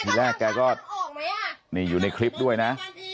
แรกแกก็นี่อยู่ในคลิปด้วยนะ